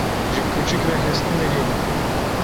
Ji kûçik re hestî nehêlin.